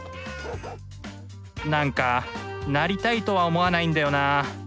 何かなりたいとは思わないんだよなあ。